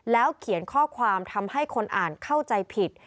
เขียนข้อความทำให้คนอ่านเข้าใจผิด